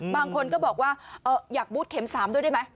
บางคนก็บอกว่าอยากบูธเข็ม๓ด้วยได้ไหม